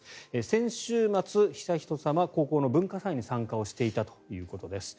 先週末、悠仁さまは高校の文化祭に参加をしていたということです。